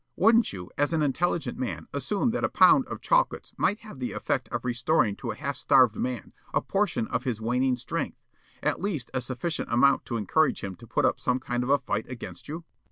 Counsel: "Wouldn't you, as an intelligent man, assume that a pound of chocolates might have the effect of restoring to a half starved man a portion of his waning strength, at least a sufficient amount to encourage him to put up some kind of a fight against you?"